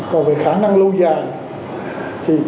còn về khả năng lâu dài